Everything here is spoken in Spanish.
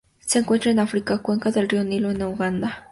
Se encuentran en África: cuenca del río Nilo en Uganda.